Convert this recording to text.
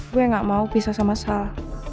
gue gak mau pisah sama saya